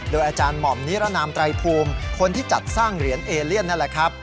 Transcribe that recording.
อาจารย์หม่อมนิรนามไตรภูมิคนที่จัดสร้างเหรียญเอเลียนนั่นแหละครับ